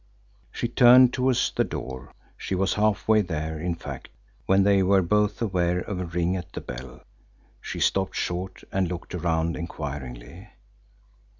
She turned towards the door she was half way there, in fact when they were both aware of a ring at the bell. She stopped short and looked around enquiringly.